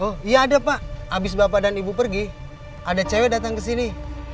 oh iya ada pak abis bapak dan ibu pergi ada cewek datang ke sini